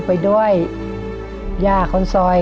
ไปด้วยแย่คนสอย